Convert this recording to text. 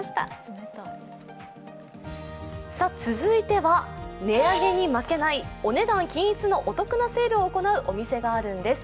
続いては値上げに負けないお値段均一のお得なセールを行うお店があるんです。